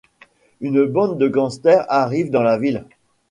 Une bande de gangsters arrive dans la ville.